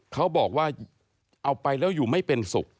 เขาบอกว่าเอาไปแล้วอยู่ไม่เป็นสุข